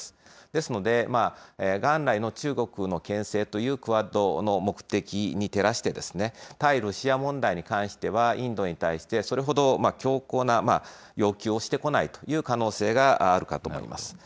ですので、元来の中国のけん制というクアッドの目的に照らして、対ロシア問題に関しては、インドに対してそれほど強硬な要求をしてこないという可能性があるかと思います。